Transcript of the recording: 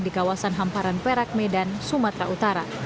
di kawasan hamparan perak medan sumatera utara